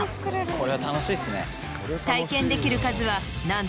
これは楽しいですね。